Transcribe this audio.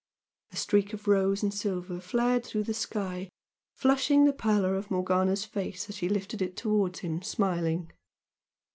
A streak of rose and silver flared through the sky flushing the pallor of Morgana's face as she lifted it towards him, smiling.